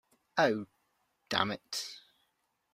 Oh, damn it!